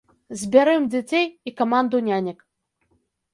Збярэм дзяцей і каманду нянек!